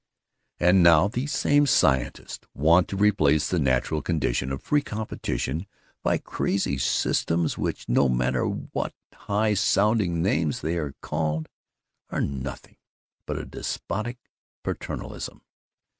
"And now these same 'scientists' want to replace the natural condition of free competition by crazy systems which, no matter by what high sounding names they are called, are nothing but a despotic paternalism.